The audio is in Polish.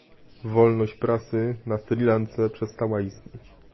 Wolność prasy na Sri Lance przestała istnieć